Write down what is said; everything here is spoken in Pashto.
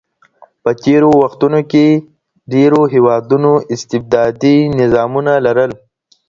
په تېرو وختونو کي ډېرو هېوادونو استبدادي نظامونه لرل.